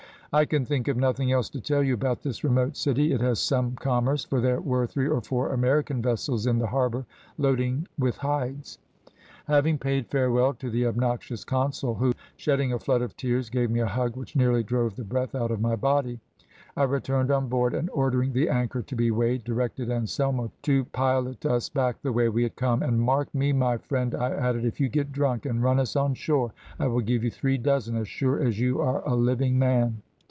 "I can think of nothing else to tell you about this remote city. It has some commerce, for there were three or four American vessels in the harbour loading with hides. "Having paid farewell to the obnoxious consul, who, shedding a flood of tears, gave me a hug which nearly drove the breath out of my body, I returned on board, and ordering the anchor to be weighed, directed Anselmo to pilot us back the way we had come, and `mark me, my friend,' I added, `if you get drunk, and run us on shore, I will give you three dozen as sure as you are a living man.'